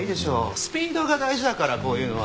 スピードが大事だからこういうのは。